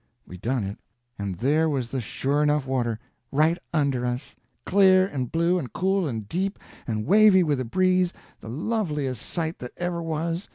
We done it, and there was the sure enough water right under us!—clear, and blue, and cool, and deep, and wavy with the breeze, the loveliest sight that ever was.